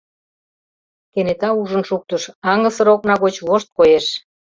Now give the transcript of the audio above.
Кенета ужын шуктыш — аҥысыр окна гоч вошт коеш.